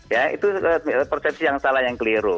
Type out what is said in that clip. ya itu persepsi yang salah yang keliru